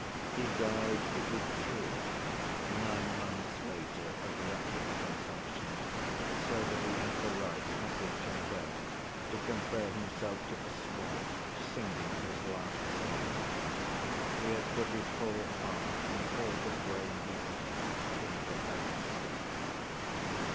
He died, it is true, nine months later of rapid consumption, so that he had the right, as it turned out, to compare himself to a swan singing his last song. He had put his whole heart and all the brain he had into that speech.